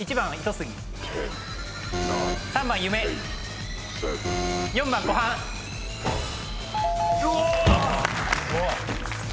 すごい。